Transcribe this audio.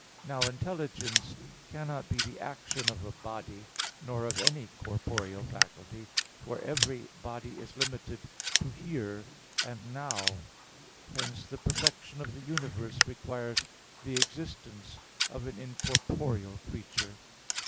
Now intelligence cannot be the action of a body, nor of any corporeal faculty; for every body is limited to "here" and "now." Hence the perfection of the universe requires the existence of an incorporeal creature.